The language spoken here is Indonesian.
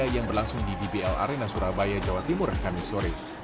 yang berlangsung di dbl arena surabaya jawa timur kamisore